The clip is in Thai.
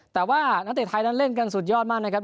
แต่ว่านักเตะไทยนั้นเล่นกันสุดยอดมากนะครับ